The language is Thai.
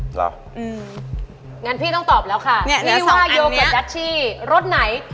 เหรออืมงั้นพี่ต้องตอบแล้วค่ะเนี้ยเนี้ยสองอันเนี้ยนี่ว่าโยเกิร์ตยัชชีรถไหน